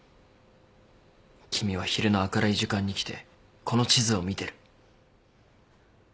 君は昼の明るい時間に来てこの地図を見てる。